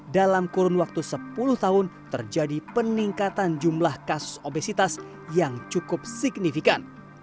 dalam kurun waktu sepuluh tahun terjadi peningkatan jumlah kasus obesitas yang cukup signifikan